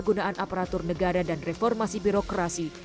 penggunaan aparatur negara dan reformasi birokrasi